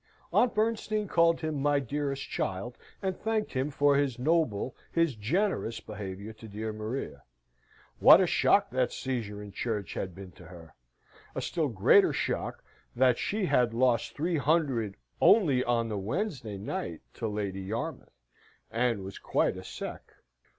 Aunt Bernstein called him "my dearest child," and thanked him for his noble, his generous behaviour to dear Maria. What a shock that seizure in church had been to her! A still greater shock that she had lost three hundred only on the Wednesday night to Lady Yarmouth, and was quite a sec.